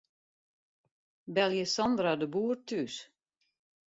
Belje Sandra de Boer thús.